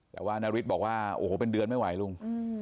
แต่ว่านาริสบอกว่าโอ้โหเป็นเดือนไม่ไหวลุง